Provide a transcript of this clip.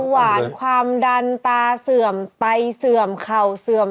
หวานความดันตาเสื่อมไตเสื่อมเข่าเสื่อม